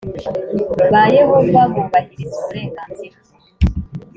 ba yehova bubahiriza uburenganzira